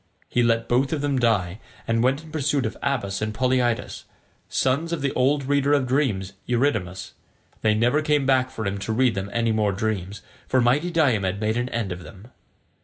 He let both of them lie, and went in pursuit of Abas and Polyidus, sons of the old reader of dreams Eurydamas: they never came back for him to read them any more dreams, for mighty Diomed made an end of them.